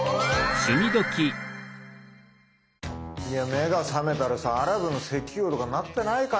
目が覚めたらさアラブの石油王とかなってないかね。